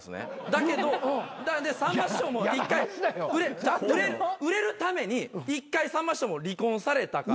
だけどさんま師匠も一回売れるために一回さんま師匠も離婚されたから。